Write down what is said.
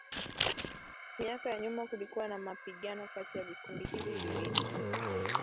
Miaka ya nyuma kulikuwa na mapigano kati ya vikundi hivi viwili.